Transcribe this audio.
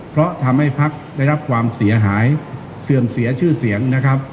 เพราะทำให้พักได้รับความเสียหายเสื่อมเสียชื่อเสียงนะครับ